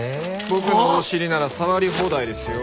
僕のお尻なら触り放題ですよ。